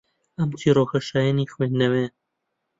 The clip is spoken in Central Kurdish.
ئەم چیرۆکە شایەنی خوێندنەوەیە